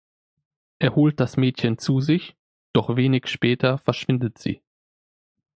Er holt das Mädchen zu sich; doch wenig später verschwindet sie.